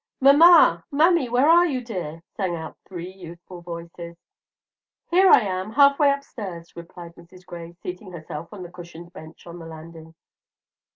"Mamma! mammy! where are you, dear?" sang out three youthful voices. "Here I am, half way upstairs," replied Mrs. Gray, seating herself on the cushioned bench of the landing.